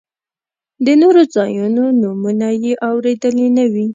د نورو ځایونو نومونه یې اورېدلي نه وي.